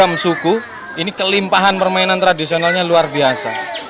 kemampuan semua iniriendah berempahan permainan tradisional luar biasa